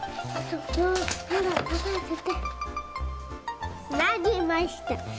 つなげました。